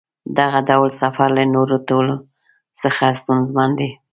دغه ډول سفر له نورو ټولو څخه ستونزمن دی.